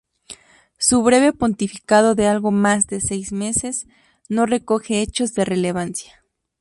Su breve pontificado de algo más de seis meses no recoge hechos de relevancia.